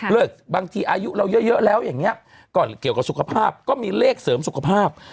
บางทีอายุเราเยอะแล้วอย่างนี้ก็เกี่ยวกับสุขภาพก็มีเลขเสริมสุขภาพ